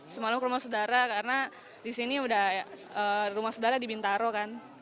semalam ke rumah saudara karena di sini rumah saudara di bintaro kan